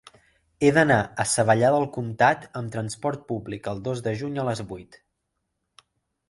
He d'anar a Savallà del Comtat amb trasport públic el dos de juny a les vuit.